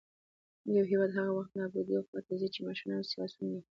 يـو هـېواد هـغه وخـت د نـابـودۍ خـواتـه ځـي ،چـې مـشران او سـياسيون يـې